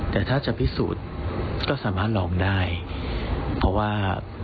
แต่ถ้าจะพิสูจน์ก็สามารถลองได้เพราะว่า